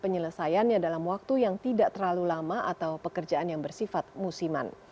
penyelesaiannya dalam waktu yang tidak terlalu lama atau pekerjaan yang bersifat musiman